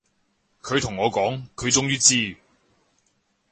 佢同我講，佢終於知